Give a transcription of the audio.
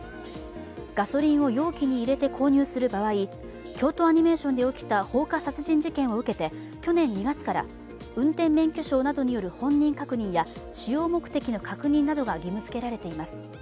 ガソリンを容器に入れて購入する場合、京都アニメーションで起きた放火殺人事件を受けて去年２月から運転免許証などによる本人確認や使用目的の確認などが義務付けられています。